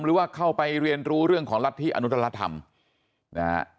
หรือว่าเข้าไปเรียนรู้เรื่องของรัฐธิอนุตรธรรมนะฮะ